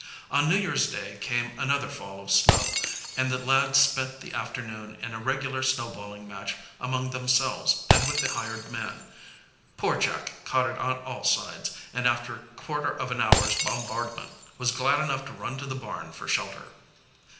On New Year's Day came another fall of snow, and the lads spent the afternoon in a regular snowballing match among themselves and with the hired man. Poor Jack caught it on all sides, and after quarter of an hour's bombardment was glad enough to run to the barn, for shelter.